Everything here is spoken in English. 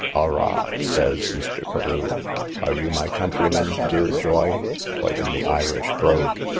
Arrah, says Mr. Carew, are you my countryman, dear joy? quite in the Irish brogue.